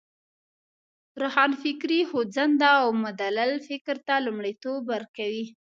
روښانفکري خوځنده او مدلل فکر ته لومړیتوب ورکوی.